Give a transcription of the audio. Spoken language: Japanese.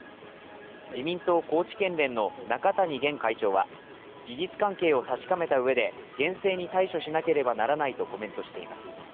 自民党・高知県連の中谷元会長は事実関係を確かめたうえで、厳正に対処しなければならないとコメントしています。